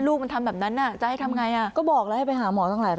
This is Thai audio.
ลูกมันทำแบบนั้นอ่ะจะให้ทำไงอ่ะ